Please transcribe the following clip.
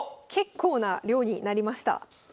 結構な量になりました。